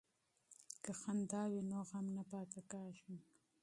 که خندا وي نو غم نه پاتې کیږي.